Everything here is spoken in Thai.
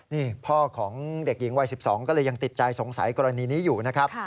นี่พ่อของเด็กหญิงวัย๑๒ก็เลยยังติดใจสงสัยกรณีนี้อยู่นะครับ